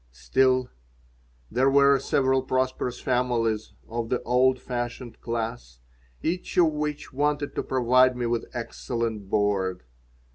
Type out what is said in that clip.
Still, there were several prosperous families of the old fashioned class, each of which wanted to provide me with excellent board.